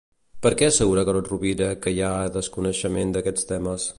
Per què assegura Carod-Rovira que hi ha desconeixement d'aquests temes?